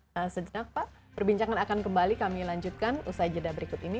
nah sejak pak perbincangan akan kembali kami lanjutkan usai jeda berikut ini